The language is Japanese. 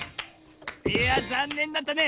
いやざんねんだったね。